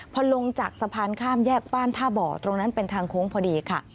พอลงจากสะพานข้ามแยกบ้านท่าบ่อตรงนั้นเป็นทางโค้งพอดีค่ะ